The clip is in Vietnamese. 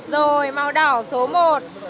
rồi màu đỏ số một